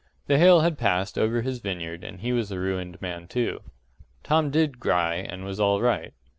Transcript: The hail had passed over his vineyard and he was a ruined man too. Tom did “gry” and was all right.